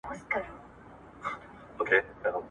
سهار انا د هلک مخ په خپلو دواړو لاسو کې ونیو.